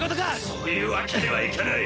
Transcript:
そういうわけにはいかない！